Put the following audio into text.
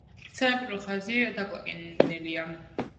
სანაპირო ხაზი დაკლაკნილია.